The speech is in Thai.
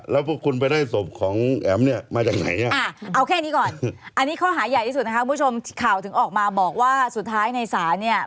แล้วพวกคุณไปได้ศัพท์ของแอ๋ม